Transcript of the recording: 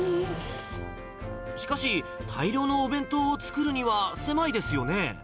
しかし、大量のお弁当を作るには狭いですよね。